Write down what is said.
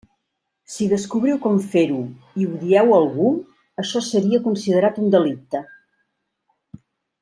Si descobriu com fer-ho, i ho dieu a algú, això seria considerat un delicte.